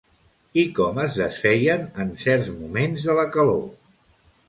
I com es desfeien en certs moments de la calor?